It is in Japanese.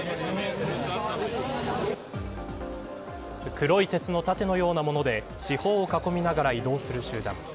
黒い鉄の盾のようなもので四方を囲みながら移動する集団。